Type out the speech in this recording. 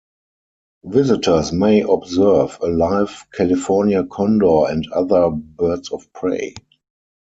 Visitors may observe a live California condor and other birds of prey.